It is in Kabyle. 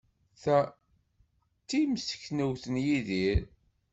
Ta d timseknewt n Yidir.